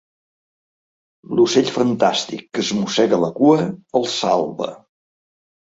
L'ocell fantàstic que es mossega la cua els salva.